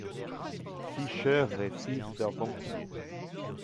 Fischer est fils d'un banquier.